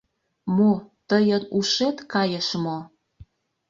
Мо, тыйын ушет кайыш мо?